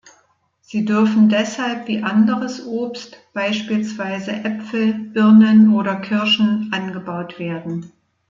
Sie dürfen deshalb wie anderes Obst, beispielsweise Äpfel, Birnen oder Kirschen, angebaut werden.